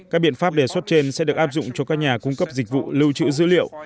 các biện pháp đề xuất trên sẽ được áp dụng cho các nhà cung cấp dịch vụ lưu trữ dữ liệu